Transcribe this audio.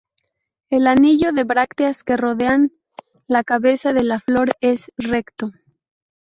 El anillo de brácteas que rodean la cabeza de la flor es recto.